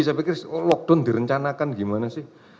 saya pikir lockdown direncanakan gimana sih